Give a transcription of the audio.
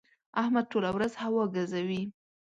احمد ټوله ورځ هوا ګزوي.